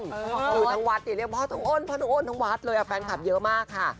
คือทั้งวัดเนี่ยเรียกพ่อทั้งอ้นพ่อทั้งอ้นทั้งวัดเลยแฟนคลับเยอะมากค่ะ